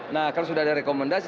nah kalau sudah ada rekomendasi